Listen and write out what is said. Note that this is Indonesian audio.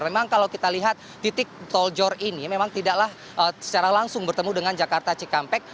memang kalau kita lihat titik tol jor ini memang tidaklah secara langsung bertemu dengan jakarta cikampek